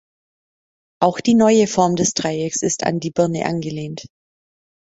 Auch die neue Form des Dreiecks ist an die Birne angelehnt.